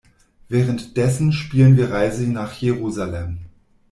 Währenddessen spielen wir Reise nach Jerusalem.